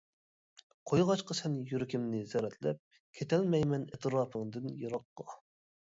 قويغاچقا سەن يۈرىكىمنى زەرەتلەپ، كېتەلمەيمەن ئەتراپىڭدىن يىراققا.